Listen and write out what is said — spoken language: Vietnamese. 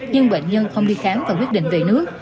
nhưng bệnh nhân không đi khám và quyết định về nước